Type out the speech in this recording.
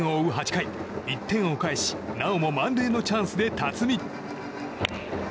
８回１点を返しなおも満塁のチャンスで辰己。